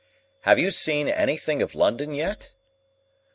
"Have you seen anything of London yet?"